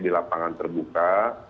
di lapangan terbuka